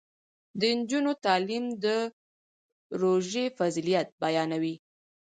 د نجونو تعلیم د روژې فضیلت بیانوي.